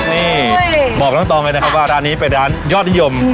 นี่บอกตรงเลยนะครับว่าร้านนี้เป็นร้านยอดนิยม